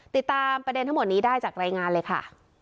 ติดตามประเด็นทั้งหมดนี้ได้จากรายงานเลยค่ะ